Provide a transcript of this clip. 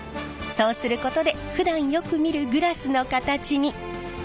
そうすることでふだんよく見るグラスの形に。